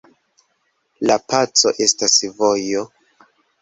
La paco estas vojo.